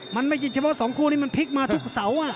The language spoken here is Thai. มันไม่ใช่เฉพาะสองคู่นี้มันพลิกมาทุกเสา